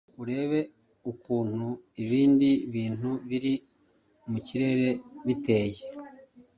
urebe ukuntu ibindi bintu biri mu kirere biteye